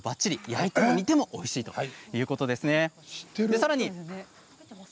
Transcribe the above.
焼いても煮てもおいしいということですね。